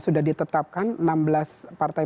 sudah ditetapkan enam belas partai